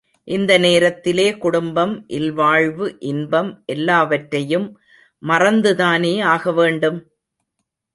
இந்த நேரத்திலே குடும்பம், இல்வாழ்வு இன்பம் எல்லாவற்றையும் மறந்துதானே ஆக வேண்டும்?